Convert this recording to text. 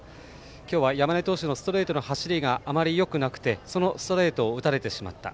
今日は山根投手のストレートの走りがあまりよくなくてそのストレートを打たれてしまった。